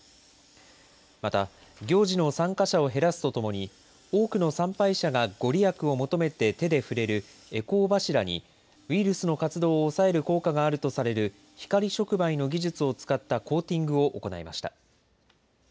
また、行事の参加者を減らすとともに、多くの参拝者が御利益を求めて手で触れる回向柱に、ウイルスの活動を抑える効果があるとされる光触媒の技術を使ったコーティングを行いました。